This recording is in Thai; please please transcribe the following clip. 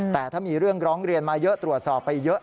แต่ถ้ามีเรื่องร้องเรียนมาเยอะตรวจสอบไปเยอะ